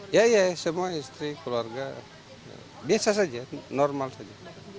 ya ya semua istri keluarga biasa saja normal saja